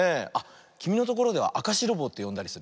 きみのところでは「あかしろぼう」ってよんだりする？